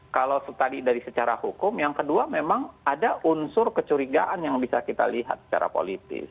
kalau tadi dari secara hukum yang kedua memang ada unsur kecurigaan yang bisa kita lihat secara politis